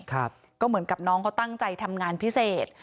ก็เหมือนกับน้องเขาตั้งใจทำงานพิเศษ